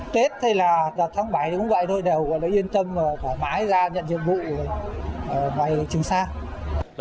tết hay là tháng bảy cũng vậy thôi đều yên tâm khỏe mãi ra nhận nhiệm vụ về trường sa